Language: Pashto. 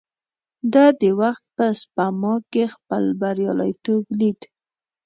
ده د وخت په سپما کې خپل برياليتوب ليد.